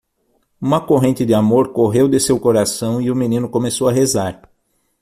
Uma corrente de amor correu de seu coração e o menino começou a rezar.